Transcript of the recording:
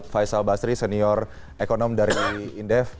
faisal basri senior ekonom dari indef